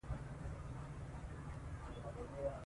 ازادي راډیو د اټومي انرژي په اړه پراخ بحثونه جوړ کړي.